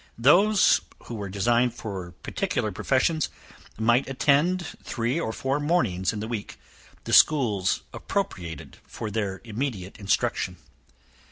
Those, who were designed for particular professions, might attend, three or four mornings in the week, the schools appropriated for their immediate instruction.